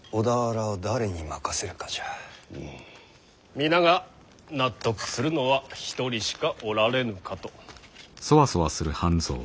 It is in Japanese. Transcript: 皆が納得するのは一人しかおられぬかと。